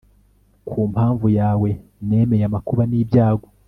ku mpamvu yawe nemeye amakuba n'ibyago